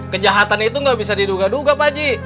kejahatan itu gak bisa diduga duga pagi